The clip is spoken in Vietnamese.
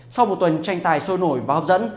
sau một tuần tranh tài sôi nổi và hấp dẫn